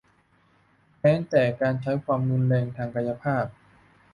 แม้แต่การใช้ความรุนแรงทางกายภาพ